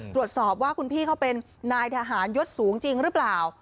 ตรวจสอบว่าคุณพี่เขาเป็นนายทหารยศสูงจริงหรือเปล่า